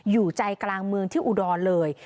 อยู่ใจกลางเมืองที่อุดรเลย